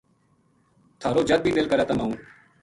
تھہارو جد بھی دل کرے تم آؤں